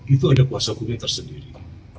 itu ada kuasa kumiters sendiri